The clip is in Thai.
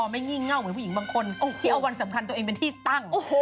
ไม่งี่เง่าเหมือนผู้หญิงบางคนที่เอาวันสำคัญตัวเองเป็นที่ตั้ง